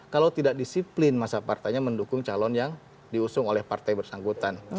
kalau tidak disiplin masa partainya mendukung calon yang diusung oleh partai bersangkutan